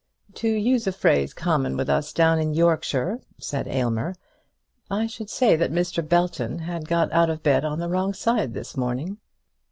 "To use a phrase common with us down in Yorkshire," said Aylmer, "I should say that Mr. Belton had got out of bed the wrong side this morning."